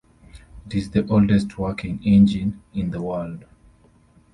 It is the oldest working engine in the world.